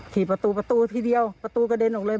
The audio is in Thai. ขี่ประตูประตูทีเดียวประตูกระเด็นออกเลย